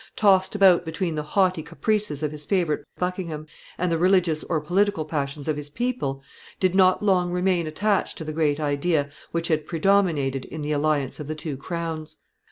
tossed about between the haughty caprices of his favorite Buckingham and the religious or political passions of his people, did not long remain attached to the great idea which had predominated in the alliance of the two crowns.